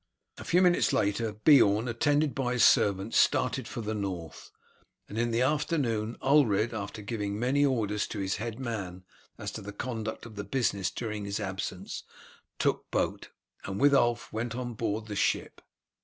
A few minutes later Beorn, attended by his servants, started for the North, and in the afternoon Ulred, after giving many orders to his head man as to the conduct of his business during his absence, took boat, and with Ulf went on board the ship.